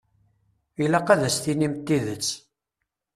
Ilaq ad as-tinimt tidet.